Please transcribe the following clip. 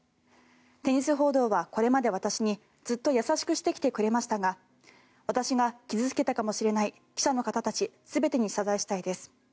テニス報道はこれまで私にずっと優しくしてきてくれましたが私が傷付けたかもしれない記者の方たち全てに謝罪したいです。